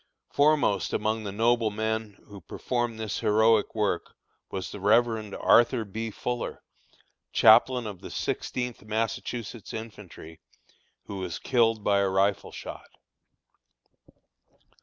Foremost among the noble men who performed this heroic work was the Rev. Arthur B. Fuller, chaplain of the Sixteenth Massachusetts infantry, who was killed by a rifle shot.